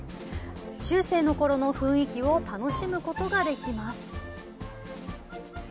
中世の頃の雰囲気を楽しむことができます。